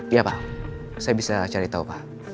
iya pak saya bisa cari tahu pak